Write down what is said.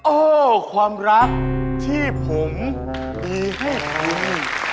โอ้ความรักที่ผมมีให้คุณ